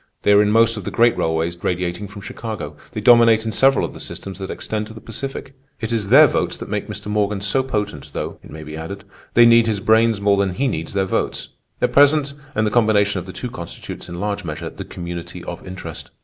They are in most of the great railways radiating from Chicago. They dominate in several of the systems that extend to the Pacific. It is their votes that make Mr. Morgan so potent, though, it may be added, they need his brains more than he needs their votes— at present, and the combination of the two constitutes in large measure the 'community of interest.